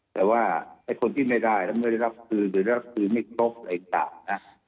แต่ว่าคนที่ไม่ได้ไม่ได้รับคืนหรือรับคืนไม่ครบอะไรอีกต่าง